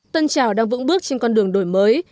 tân trào đang vững bước trên con đường đổi mới